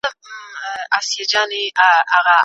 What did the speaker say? تر اوسه په ځینو ټولنو کې کره کتنه پوره نه ده پلي شوې.